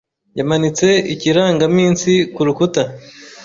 yamanitse ikirangaminsi kurukuta.